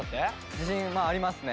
自信まあありますね。